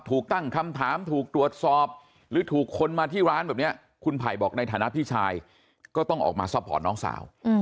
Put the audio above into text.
ถูกตั้งคำถามถูกตรวจสอบหรือถูกคนมาที่ร้านแบบนี้คุณไผ่บอกในฐานะพี่ชายก็ต้องออกมาซัพพอร์ตน้องสาว